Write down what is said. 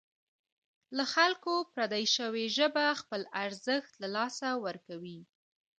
له خلکو پردۍ شوې ژبه خپل ارزښت له لاسه ورکوي.